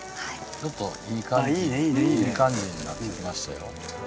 ちょっといい感じにいい感じになってきましたよ。